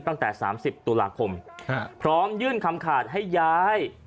ตั้งแต่๓๐ตุลาคมพร้อมยื่นคำขาดให้ย้าย